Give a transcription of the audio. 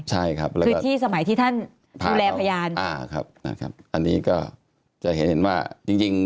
ใช่ครับคือที่สมัยที่ท่านดูแลพยานอันนี้ก็จะเห็นว่าจริง